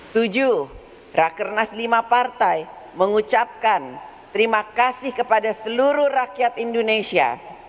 tujuh rakernas lima partai mengucapkan terima kasih kepada seluruh rakyat indonesia